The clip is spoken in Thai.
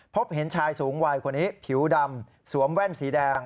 พบเห็นชายสูงวัยคนนี้ผิวดำสวมแว่นสีแดง